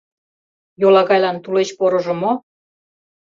Йолагайлан тулеч порыжо мо?